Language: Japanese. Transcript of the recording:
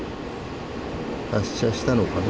発車したのかな？